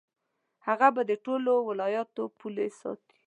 هغه به د ټولو ولایاتو پولې ساتي.